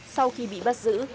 sau khi bị bắt giữ